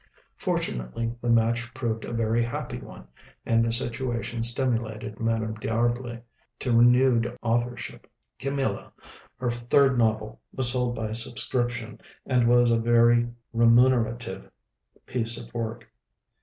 Fortunately the match proved a very happy one, and the situation stimulated Madame D'Arblay to renewed authorship. 'Camilla,' her third novel, was sold by subscription, and was a very remunerative piece of work.